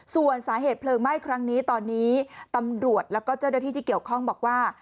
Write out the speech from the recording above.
ส่วนสาเหตุเพลิงไหม้ครั้งนี้ตอนนี้ตำรวจแล้วก็เจ้าหน้าที่ที่เกี่ยวข้องบอกว่า